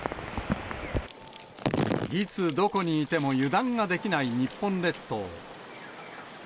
いつ、どこにいても油断ができない日本列島。